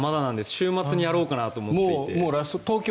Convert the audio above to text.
週末にやろうと思っていて。